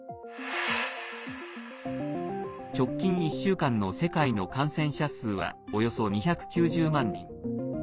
直近１週間の世界の感染者数はおよそ２９０万人。